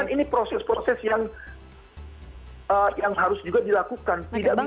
ini proses proses yang harus juga dilakukan